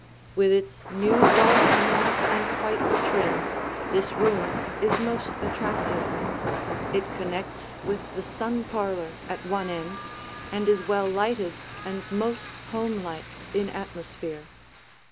With its new wall hangings and white trim, this room is most attractive. It connects with the sun parlor at one end and is well lighted and most homelike in atmosphere.